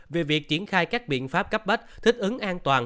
về việc triển khai các biện pháp cấp bách thích ứng an toàn